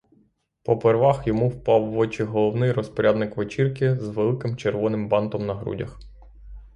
Попервах йому впав в очі головний розпорядник вечірки з великим червоним бантом на грудях.